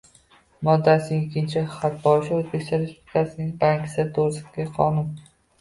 moddasining ikkinchi xatboshi, O‘zbekiston Respublikasining “Bank siri to‘g‘risida”gi Qonun